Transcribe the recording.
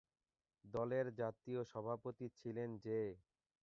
দলের জাতীয় সভাপতি ছিলেন জে.